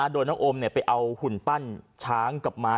โดยน้องโอมไปเอาหุ่นปั้นช้างกลับมา